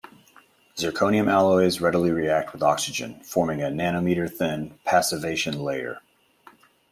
Zirconium alloys readily react with oxygen, forming a nanometer-thin passivation layer.